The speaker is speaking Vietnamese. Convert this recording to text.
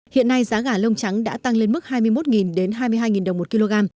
hiện nay giá gà lông trắng đã tăng lên mức hai mươi một hai mươi hai đồng một kg